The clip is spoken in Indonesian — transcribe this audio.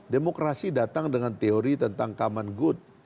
demokrasi datang dengan teori tentang common good